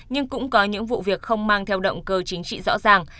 nhưng cũng có những vụ việc không mang theo động cơ chính trị rõ ràng